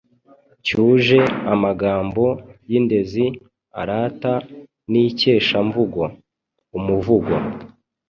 cyuje amagambo y’indezi arata n’ikeshamvugo. Umuvugo